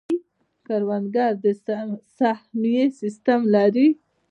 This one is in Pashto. کروندګر د سهمیې سیستم لري.